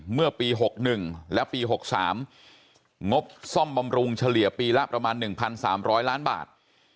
เมื่อปี๖๑และปี๖๓งบซ่อมบำรุงเฉลี่ยปีละประมาณ๑๓๐๐ล้านบาท